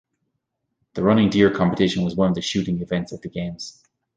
The Running Deer competition was one of the shooting events at the games.